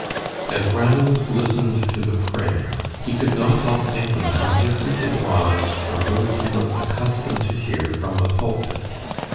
As Ranald listened to the prayer, he could not help thinking how different it was from those he was accustomed to hear from the pulpit.